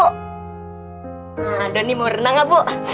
nah doni mau renang nggak bu